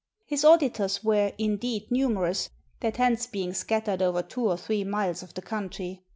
His auditors were, indeed, numerous, their tents being scattered over two or three miles of the country.